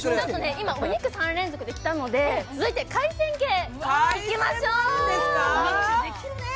今、お肉３連続できたので続いて海鮮系にいきましょう。